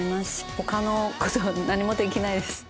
他のこと何もできないです。